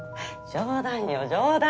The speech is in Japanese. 冗談よ冗談。